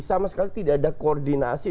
sama sekali tidak ada koordinasi